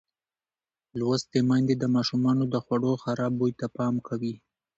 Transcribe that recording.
لوستې میندې د ماشومانو د خوړو خراب بوی ته پام کوي.